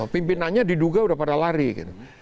pimpinannya diduga udah pada lari gitu